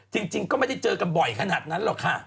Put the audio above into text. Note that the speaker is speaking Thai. จริงก็ไม่ได้เจอกันบ่อยขนาดนั้นหรอกค่ะ